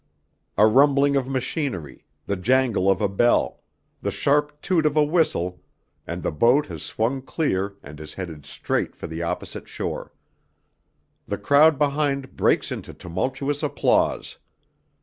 A rumbling of machinery, the jangle of a bell, the sharp toot of a whistle and the boat has swung clear and is headed straight for the opposite shore. The crowd behind breaks into tumultuous applause.